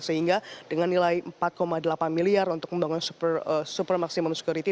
sehingga dengan nilai empat delapan miliar untuk membangun super maksimum security